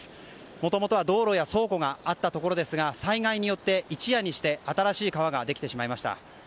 もともとは道路や倉庫があったところですが災害によって一夜にして新しい川ができてしまいました。